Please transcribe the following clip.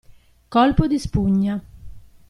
Colpo di spugna.